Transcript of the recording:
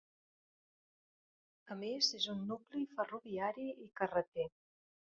A més, és un nucli ferroviari i carreter.